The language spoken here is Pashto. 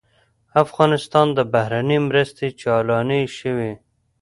افغانستان ته بهرنۍ مرستې چالانې شوې.